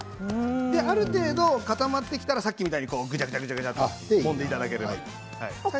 ある程度、固まってきたらさっきみたいにぐちゃぐちゃっともんでいただければ。